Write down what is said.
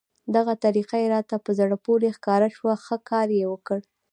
دغه طریقه یې راته په زړه پورې ښکاره شوه، ښه کار یې وکړ.